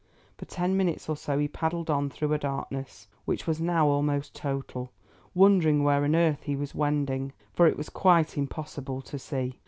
For ten minutes or so he paddled on through a darkness which was now almost total, wondering where on earth he was wending, for it was quite impossible to see.